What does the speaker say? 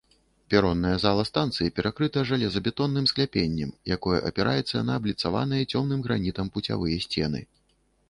Перонная зала станцыі перакрыта жалезабетонным скляпеннем, якое апіраецца на абліцаваныя цёмным гранітам пуцявыя сцены.